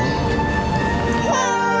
kamu sakit bu